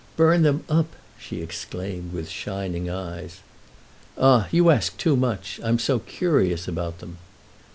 Burn them up!" she exclaimed with shining eyes. "Ah, you ask too much—I'm so curious about them!"